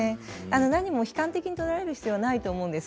何も悲観的に捉える必要ないと思うんです。